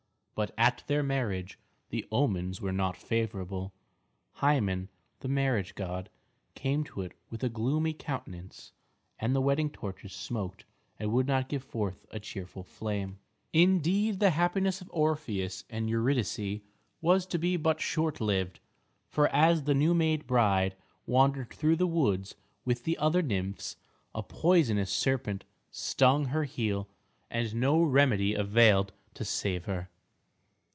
But at their marriage the omens were not favorable. Hymen, the marriage god, came to it with a gloomy countenance and the wedding torches smoked and would not give forth a cheerful flame. Indeed the happiness of Orpheus and Eurydice was to be but short lived. For as the new made bride wandered through the woods with the other nymphs a poisonous serpent stung her heel, and no remedy availed to save her.